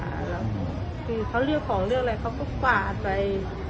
แล้วคือเขาเลือกของเลือกอะไรเขาก็กวาดไป